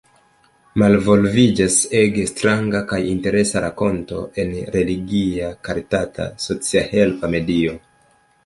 Malvolviĝas ege stranga kaj interesa rakonto en religia karitata socialhelpa medio.